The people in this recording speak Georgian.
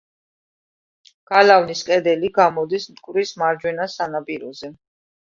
გალავნის კედელი გამოდის მტკვრის მარჯვენა სანაპიროზე.